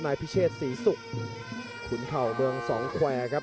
นายพิเชษศรีศุกร์ขุนเข่าเมืองสองแควร์ครับ